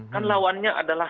kan lawannya adalah